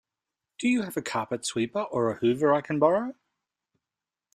Do you have a carpet sweeper or a Hoover I can borrow?